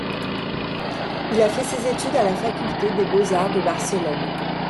Il a fait ses études à la Faculté des Beaux–Arts de Barcelone.